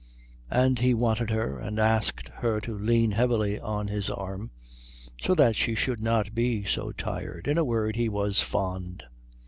And he wanted her and asked her to lean heavily on his arm so that she should not be so tired. In a word, he was fond.